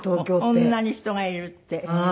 こんなに人がいるって。